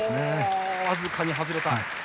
僅かに外れた。